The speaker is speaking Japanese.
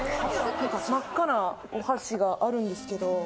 なんか真っ赤なお箸があるんですけど。